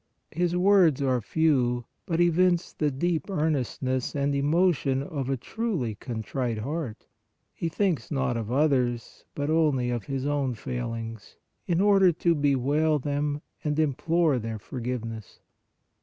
His words are few but evince the deep earnestness and emotion of a truly contrite heart. He thinks not of others, but only of his own failings, in order to bewail them and implore their forgiveness.